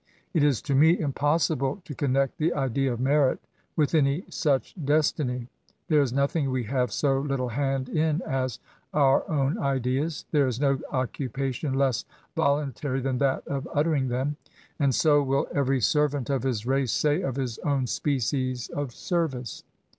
It is to me impossible to connect the idea of merit with any such destiny. There is nothing we have so little hand in as oUr' own ideas ; there is no occupation less voluntary than that of uttering them. And so will every servant of his race say of his! own species of service.